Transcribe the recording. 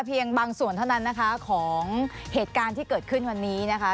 เพียงบางส่วนเท่านั้นนะคะของเหตุการณ์ที่เกิดขึ้นวันนี้นะคะ